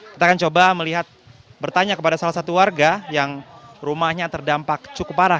kita akan coba melihat bertanya kepada salah satu warga yang rumahnya terdampak cukup parah